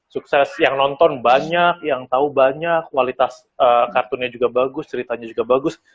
sukses yang nonton banyak yang tahu banyak kualitas kartunnya juga bagus ceritanya juga bagus